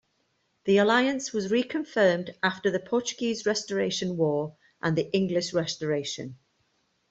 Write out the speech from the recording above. The alliance was reconfirmed after the Portuguese Restoration War and the English Restoration.